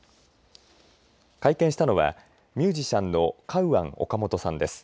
会見したのはミュージシャンのカウアン・オカモトさんです。